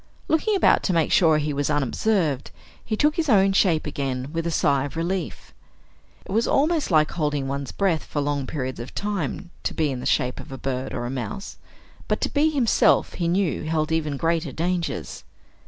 Looking about to make sure he was unobserved, he took his own shape again with a sigh of relief. It was almost like holding one's breath for long periods of time, to be in the shape of a bird or a mouse, but to be himself, he knew, held even greater dangers.